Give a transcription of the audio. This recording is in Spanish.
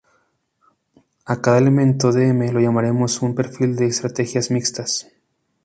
A cada elemento de M lo llamaremos un perfil de estrategias mixtas.